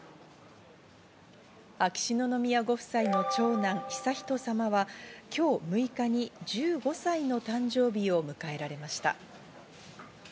秋篠宮ご夫妻の長男・悠仁さまは今日６日に１５歳の誕生日を迎えられました。